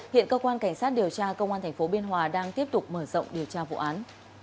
hiện cơ quan cảnh sát điều tra công an tp biên hòa đang tiếp tục mở rộng điều tra vụ án